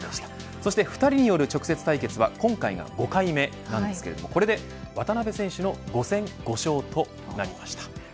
そして二人による直接対決は今回が５回目ですがこれで渡邊選手の５戦５勝となりました。